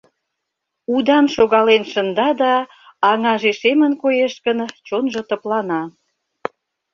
Удан шогален шында да, аҥаже шемын коеш гын, чонжо тыплана.